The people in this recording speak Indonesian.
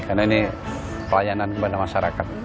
karena ini pelayanan kepada masyarakat